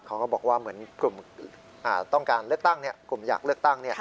เขาก็บอกว่ามีกลุ่มอยากเลือกตั้ง